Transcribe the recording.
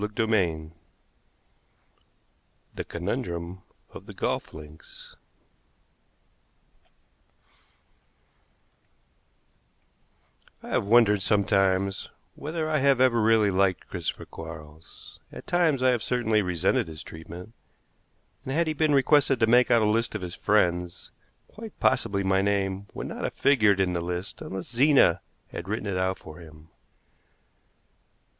CHAPTER IX THE CONUNDRUM OF THE GOLF LINKS I have wondered sometimes whether I have ever really liked Christopher Quarles; at times I have certainly resented his treatment, and had he been requested to make out a list of his friends, quite possibly my name would not have figured in the list unless Zena had written it out for him.